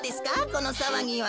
このさわぎは。